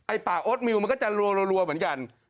ป่าโอ๊ตมิวมันก็จะรัวเหมือนกัน